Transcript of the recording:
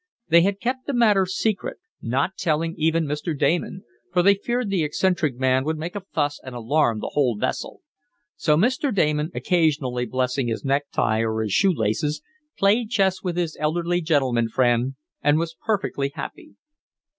They had kept the matter secret, not telling even Mr. Damon, for they feared the eccentric man would make a fuss and alarm the whole vessel. So Mr. Damon, occasionally blessing his necktie or his shoe laces, played chess with his elderly gentleman friend and was perfectly happy.